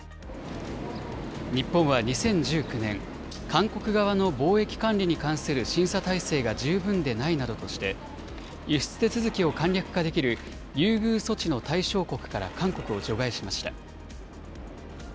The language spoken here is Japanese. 日本は２０１９年、韓国側の貿易管理に関する審査体制が十分でないなどとして、輸出手続きを簡略化できる優遇措置の対象国から韓国を除外しました。